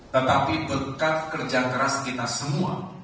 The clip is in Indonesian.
tetapi berkat kerja keras kita semua